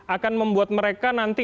akan membuat mereka nanti